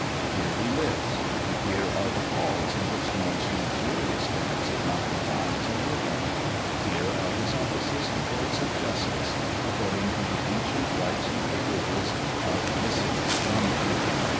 Here he lives. Here are the halls in which the most luxurious dinners of modern times are given; here are his offices and courts of justice, according to the ancient rights and privileges of the City of London.